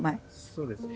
そうですね。